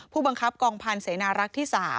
ผู้บังคับกองพันธ์เสนารักษ์ที่๓